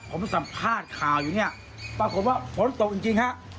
ผมสัมภาษณ์ข่าวอยู่เนี่ยปรากฏว่าฝนตกจริงฮะ